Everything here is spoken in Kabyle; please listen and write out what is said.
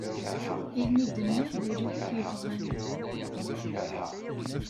Ayen i denniɣ d ul-iw it-yebɣan